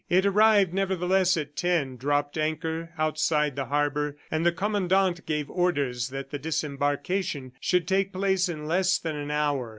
It arrived, nevertheless, at ten, dropped anchor outside the harbor, and the Commandant gave orders that the disembarkation should take place in less than an hour.